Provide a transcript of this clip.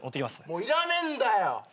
もういらねえんだよ！